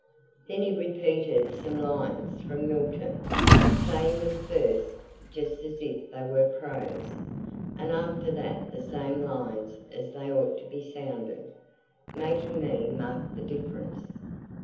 Then he repeated some lines from Milton, saying them first just as if they were prose, and after that the same lines as they ought to be sounded, making me mark the difference.